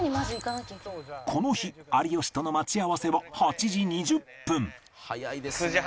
この日有吉との待ち合わせは８時２０分